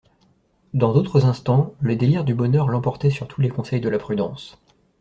Dans d'autres instants, le délire du bonheur l'emportait sur tous les conseils de la prudence.